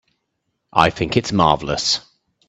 I think it's marvelous.